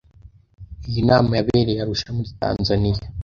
Iyi nama yabereye Arusha muri tanzaniya.